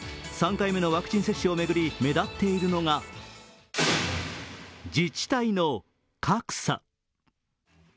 ３回目のワクチン接種を巡り目立っているのが、自治体の格差。